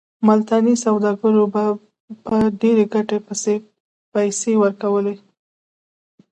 ملتاني سوداګرو به په ډېره ګټه پیسې ورکولې.